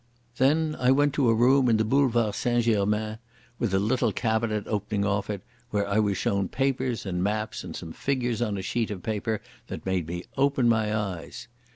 Then I went to a room in the Boulevard St Germain, with a little cabinet opening off it, where I was shown papers and maps and some figures on a sheet of paper that made me open my eyes.